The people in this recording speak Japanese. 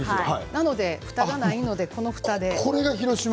なので、ふたがないのでこのふたで。